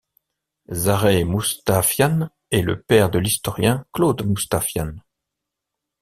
Zareh Mutafian est le père de l'historien Claude Mutafian.